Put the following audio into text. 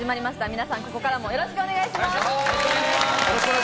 皆さん、ここからもよろしくお願いします。